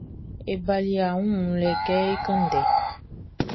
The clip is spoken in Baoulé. E bali ɔ wun wunlɛ kɛ é kán ndɛ.